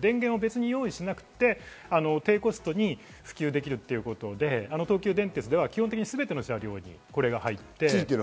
電源は別に用意しなくて、低コストに普及できるということで東急電鉄では基本的にすべての車両にこれが入っています。